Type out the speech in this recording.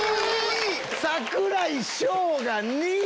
⁉櫻井翔が２！